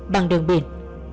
bằng đường biển